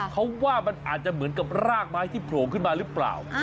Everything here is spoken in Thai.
เขาว่ามันอาจจะเหมือนกับรากไม้ที่โผล่ขึ้นมาหรือเปล่า